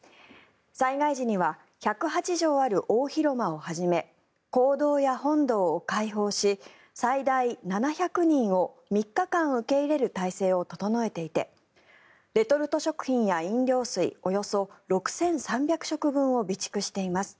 災害時には１０８畳ある大広間をはじめ講堂や本堂を開放し最大７００人を３日間受け入れる態勢を整えていてレトルト食品や飲料水およそ６３００食分を備蓄しています。